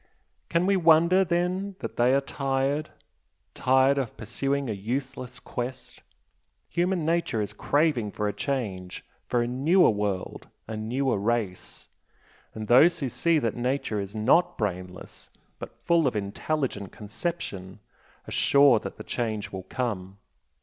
"Can we wonder then that they are tired? tired of pursuing a useless quest? Human nature is craving for a change for a newer world a newer race, and those who see that Nature is NOT 'brainless' but full of intelligent conception, are sure that the change will come!"